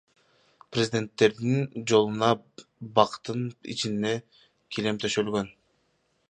Президенттердин жолуна бактын ичинде килем төшөлгөн.